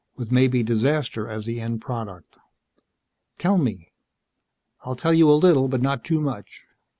With maybe disaster as the end product." "Tell me." "I'll tell you a little, but not too much."